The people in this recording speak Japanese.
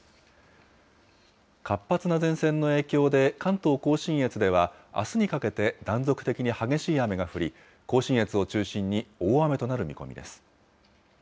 活発な前線の影響で、関東甲信越では、あすにかけて断続的に激しい雨が降り、甲信越を中心に大雨となる見込みです。